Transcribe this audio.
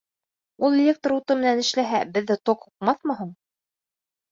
— Ул электр уты менән эшләһә, беҙҙе ток һуҡмаҫмы һуң?